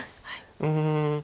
うん。